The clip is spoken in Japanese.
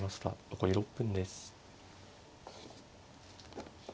残り６分です。